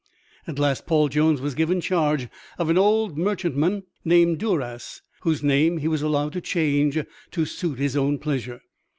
At last Paul Jones was given charge of an old merchantman named Duras whose name he was allowed to change to suit his own pleasure.